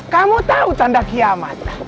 kamu tahu tanda kiamat